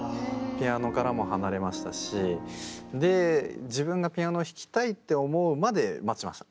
ピアノからも離れましたしで自分がピアノを弾きたいって思うまで待ちました。